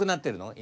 今。